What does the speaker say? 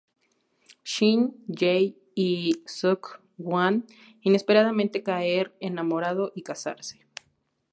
Shin-hye Y Suk-hwan inesperadamente caer enamorado y casar.